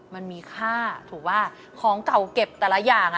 มันมีค่าถูกป่ะของเก่าเก็บแต่ละอย่าง